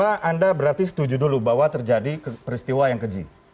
anda berarti setuju dulu bahwa terjadi peristiwa yang keji